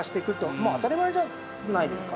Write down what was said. まあ当たり前じゃないですか。